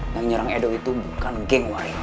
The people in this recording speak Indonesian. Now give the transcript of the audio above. yang nyerang edo itu bukan geng y